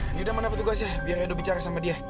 ini udah mana petugasnya biar edo bicara sama dia